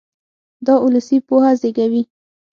دا اولسي پوهه زېږوي.